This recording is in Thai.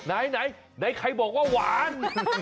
ไหนไหนใครบอกว่าหวาน